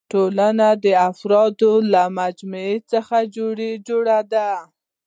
ټولنه د افرادو له مجموعي څخه جوړه ده.